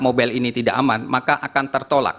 mobile ini tidak aman maka akan tertolak